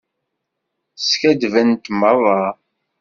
Skaddbent merra.